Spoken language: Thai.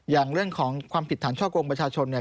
อย่างเรื่องของความผิดฐานช่อกงประชาชนเนี่ย